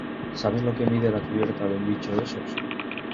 ¿ sabes lo que mide la cubierta de un bicho de esos?